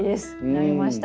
なりました。